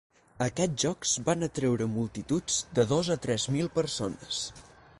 Aquests jocs van atreure multituds de dos a tres mil persones.